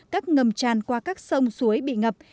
các ngầm tràn qua các sông suối bị ngập